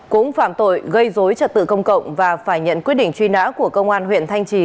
cũng phạm tội gây dối trật tự công cộng và phải nhận quyết định truy nã của công an huyện thanh trì